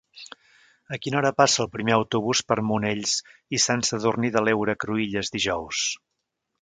A quina hora passa el primer autobús per Monells i Sant Sadurní de l'Heura Cruïlles dijous?